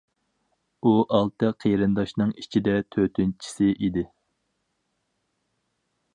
ئۇ ئالتە قېرىنداشنىڭ ئىچىدە تۆتىنچىسى ئىدى.